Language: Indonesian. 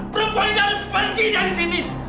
perempuan ini harus pergi dari sini